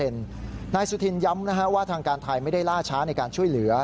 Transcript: นายสุธินย้ำว่าทางการไทยไม่ได้ล่าช้าในการช่วยเหลือ